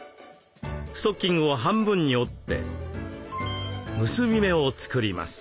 ストッキングを半分に折って結び目を作ります。